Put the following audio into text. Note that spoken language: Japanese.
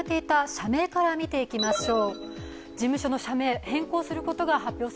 社名から見ていきましょう。